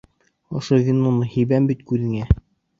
Ошо виноны һибәм бит күҙеңә!